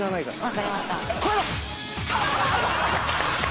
わかりました。